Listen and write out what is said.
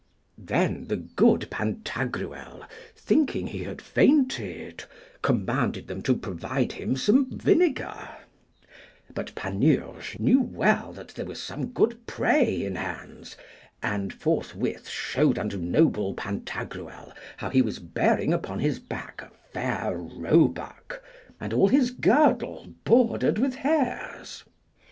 Then the good Pantagruel, thinking he had fainted, commanded them to provide him some vinegar; but Panurge knew well that there was some good prey in hands, and forthwith showed unto noble Pantagruel how he was bearing upon his back a fair roebuck, and all his girdle bordered with hares.